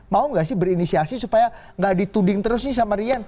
mau nggak sih berinisiasi supaya nggak dituding terus nih sama rian